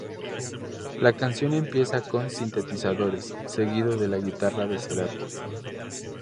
La canción empieza con sintetizadores, seguido de la guitarra de Cerati.